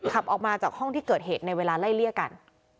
ขับออกมาจากห้องที่เกิดเหตุในเวลาไล่เลี่ยกัน